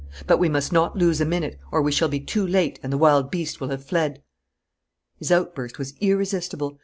But we must not lose a minute, or we shall be too late and the wild beast will have fled." His outburst was irresistible.